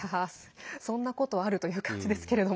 そんなことある？という感じですけれども。